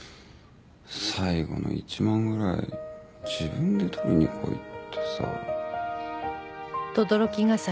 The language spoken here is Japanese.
最後の１万ぐらい自分で取りに来いってさ。